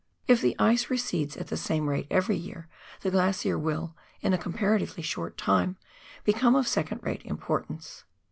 If the ice recedes at the same rate every year the glacier will, in a comparatively short time, become of second rate impor tance.